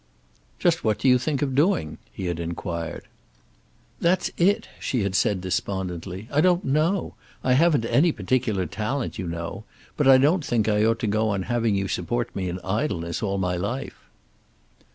"Just what do you think of doing?" he had inquired. "That's it," she had said despondently. "I don't know. I haven't any particular talent, you know. But I don't think I ought to go on having you support me in idleness all my life."